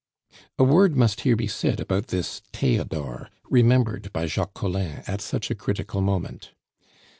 A word must here be said about this Theodore, remembered by Jacques Collin at such a critical moment.